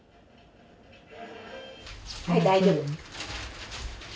はい大丈夫。